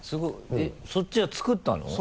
そっちは作ったの？